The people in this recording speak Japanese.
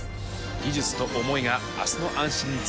技術と思いが明日の安心につながっていく。